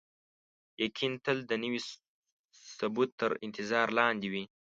یقین تل د نوي ثبوت تر انتظار لاندې وي.